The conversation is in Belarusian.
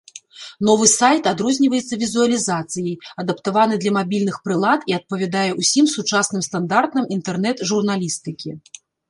Новы сайт адрозніваецца візуалізацыяй, адаптаваны для мабільных прылад і адпавядае ўсім сучасным стандартам інтэрнэт-журналістыкі.